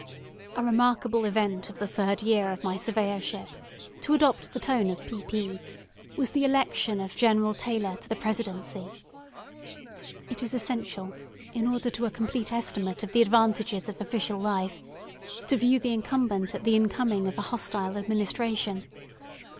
A remarkable event of the third year of my Surveyorship—to adopt the tone of "P. P."—was the election of General Taylor to the Presidency. It is essential, in order to form a complete estimate of the advantages of official life, to view the incumbent at the incoming of a hostile administration.